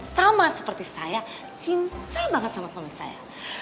sama seperti saya cinta banget sama suami saya